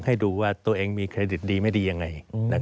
ให้ดูว่าตัวเองมีเครดิตดีไม่ดียังไง